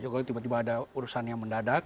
jokowi tiba tiba ada urusan yang mendadak